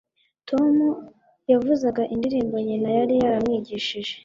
tom yavuzaga indirimbo nyina yari yaramwigishije